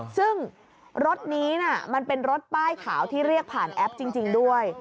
ซึ่งรถนี้มันเป็นรถป้ายขาวที่เรียกผ่านแอปจริงด้วย